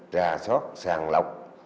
trà sót sàng lọc